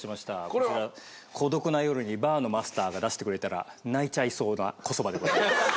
こちら孤独な夜にバーのマスターが出してくれたら泣いちゃいそうな小そばでございます。